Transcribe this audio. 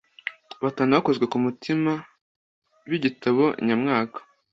Batatu bakozwe ku mutima bigitabo nyamwaka